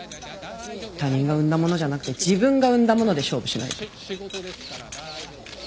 他人が生んだものじゃなくて自分が生んだもので勝負しないと。